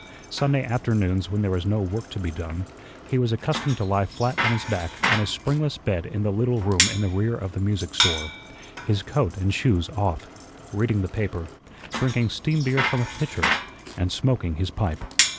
Sunday afternoons when there was no work to be done, he was accustomed to lie flat on his back on his springless bed in the little room in the rear of the music store, his coat and shoes off, reading the paper, drinking steam beer from a pitcher, and smoking his pipe.